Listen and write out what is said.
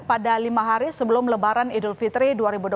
pada lima hari sebelum lebaran idul fitri dua ribu dua puluh